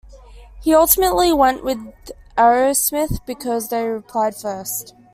He ultimately went with Aerosmith because they replied first.